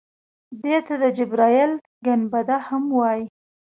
دې ته د جبرائیل ګنبده هم وایي.